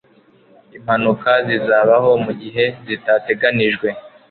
Impanuka zizabaho mugihe zitateganijwe